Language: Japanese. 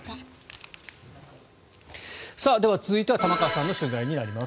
続いては玉川さんの取材になります。